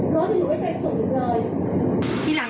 ผมเข้าใจไหมคะ